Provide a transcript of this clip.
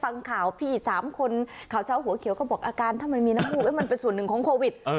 ฟังข่าวพี่๓คนข่าวเช้าหัวเขียวก็บอกอาการถ้ามันมีน้ำมูกมันเป็นส่วนหนึ่งของโควิด